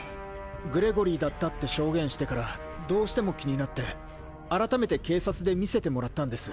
グレゴリーだったって証言してからどうしても気になって改めて警察で見せてもらったんです。